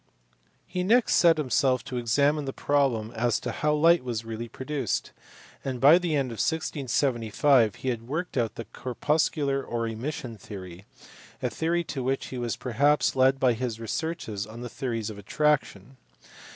He next set himself to examine the problem as to how light was really produced, and by the end of 1675 he had worked out the corpuscular or emission theory a theory to which he was perhaps led by his researches on the theories of attraction.